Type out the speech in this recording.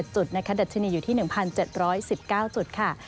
๑๗๗จุดดัชนีอยู่ที่๑๗๑๙จุดค่ะ